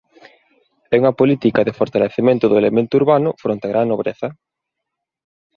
É unha política de fortalecemento do elemento urbano fronte á gran nobreza.